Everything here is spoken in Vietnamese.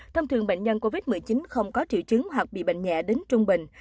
thông thường bệnh nhân covid một mươi chín không có triệu chứng hoặc bị bệnh nhẹ đến trung bình